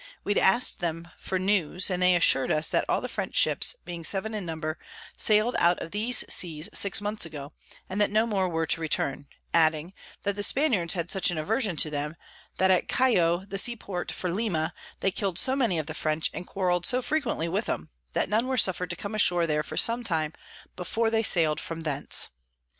We ask'd them for News, and they assur'd us that all the French ships, being seven in number, sail'd out of these Seas six months ago, and that no more were to return; adding, That the Spaniards had such an Aversion to them, that at Callo the Sea Port for Lima they kill'd so many of the French, and quarrel'd so frequently with 'em, that none were suffer'd to come ashore there for some time before they sail'd from thence.